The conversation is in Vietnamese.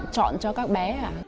chọn cho các bé